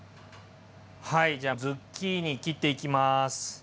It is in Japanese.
はいじゃあズッキーニ切っていきます。